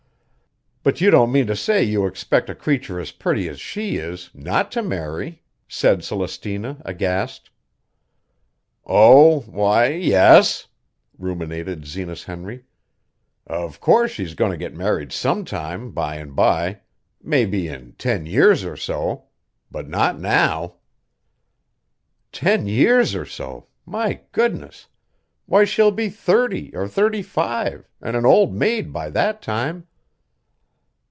"But you don't mean to say you expect a creature as pretty as she is not to marry," said Celestina aghast. "Oh, why, yes," ruminated Zenas Henry. "Of course she's goin' to get married sometime by an' by mebbe in ten years or so. But not now." "Ten years or so! My goodness! Why, she'll be thirty or thirty five, an' an old maid by that time."